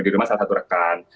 di rumah salah satu rekan